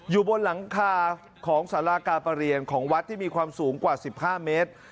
อยู่บนหลังคาของสารากาประเรียนของวัดที่มีความสูงกว่า๑๕เมตร